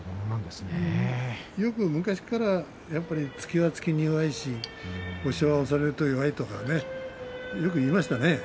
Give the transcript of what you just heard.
よく昔から突きは突きに弱いし押しは押されると弱いとよく言いましたね。